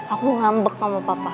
aku ngambek sama bapak